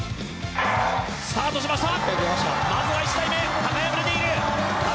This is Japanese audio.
スタートしました。